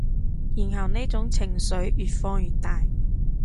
然後呢種情緒越放越大